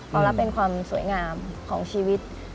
รับเป็นความสวยงามของชีวิต